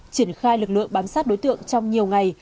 triển khai lực lượng bám sát đối tượng trong nhiều ngày